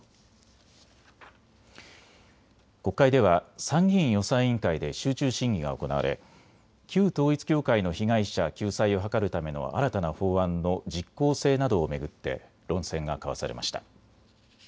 国会では参議院予算委員会で集中審議が行われ旧統一教会の被害者救済を図るための新たな法案の実効性などを巡って論戦が交わされました。